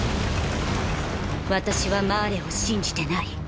私はマーレを信じてない。